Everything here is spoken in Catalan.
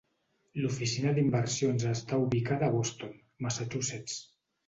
L'Oficina d'Inversions està ubicada a Boston, Massachusetts.